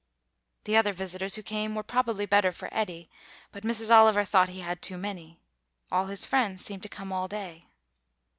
The other visitors who came were probably better for Eddy, but Mrs. Oliver thought he had too many. All his friends seemed to come all day.